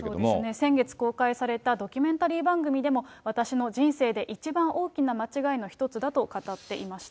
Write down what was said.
先月公開されたドキュメンタリー番組でも、私の人生で一番大きな間違いの一つだと語っていました。